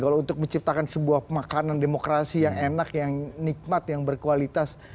kalau untuk menciptakan sebuah makanan demokrasi yang enak yang nikmat yang berkualitas